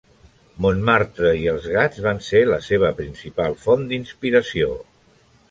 Montmartre i els gats van ser la seva principal font d'inspiració.